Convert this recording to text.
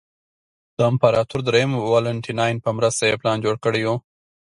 د امپراتور درېیم والنټیناین په مرسته یې پلان جوړ کړی و